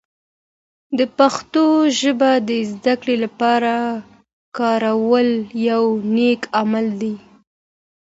د پښتو ژبه د زده کړې لپاره کارول یوه نیک عمل دی.